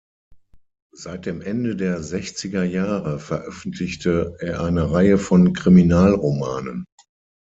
Seit dem Ende der Sechzigerjahre veröffentlichte er eine Reihe von Kriminalromanen.